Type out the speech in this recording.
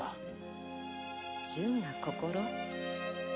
「純な心」？